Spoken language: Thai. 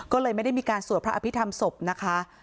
ก็เลยไม่ได้มีการสวดพระอภิษฐรรมศพนะคะ